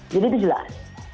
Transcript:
jadi itu jelas